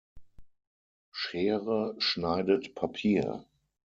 Schere schneidet Papier.